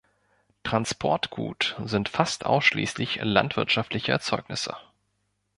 Transportgut sind fast ausschließlich landwirtschaftliche Erzeugnisse.